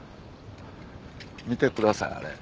見てくださいあれ。